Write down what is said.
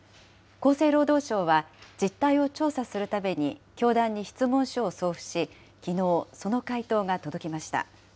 厚生労働省は、実態を調査するために教団に質問書を送付し、きのう、その回答が届きました。